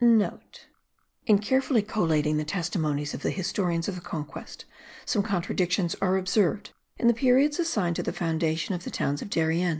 *(* In carefully collating the testimonies of the historians of the Conquest, some contradictions are observed in the periods assigned to the foundation of the towns of Darien.